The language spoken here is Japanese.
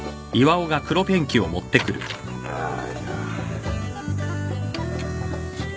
よいしょ。